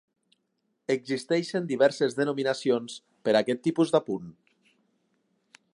Existeixen diverses denominacions per a aquest tipus d'apunt.